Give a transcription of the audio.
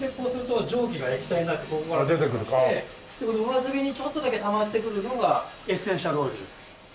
上澄みにちょっとだけたまってくるのがエッセンシャルオイルです。